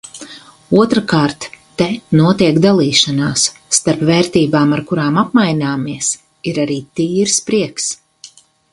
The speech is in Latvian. Otrkārt – te notiek dalīšanās. Starp vērtībām, ar kurām apmaināmies, ir arī tīrs prieks.